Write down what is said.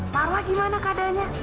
parah gimana keadaannya